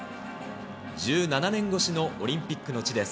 １７年越しのオリンピックの地です。